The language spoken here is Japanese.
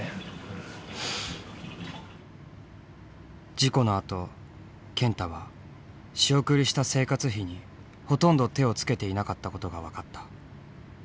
事故のあと健太は仕送りした生活費にほとんど手をつけていなかったことが分かった。